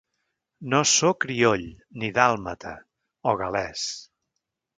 No só crioll, ni dàlmata —o gal·lès.